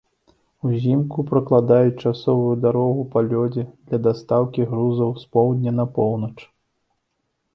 Узімку пракладаюць часавую дарогу па лёдзе для дастаўкі грузаў з поўдня на поўнач.